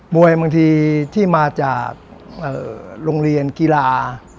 บางทีที่มาจากโรงเรียนกีฬา